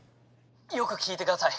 よく聞いてください。